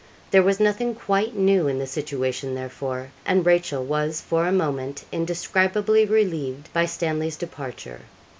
There was nothing quite new in the situation, therefore; and Rachel was for a moment indescribably relieved by Stanley's departure.